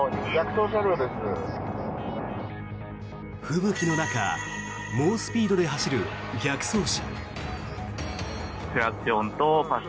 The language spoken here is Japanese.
吹雪の中猛スピードで走る逆走車。